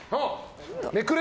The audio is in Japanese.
めくれ